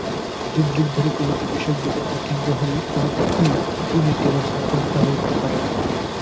যুগ যুগ ধ’রে কবিতা বিষয়ক বিতর্কের কেন্দ্র হলো: কবিতা কী, কী গুণে একটি রচনা কবিতা হয়ে উঠতে পারে।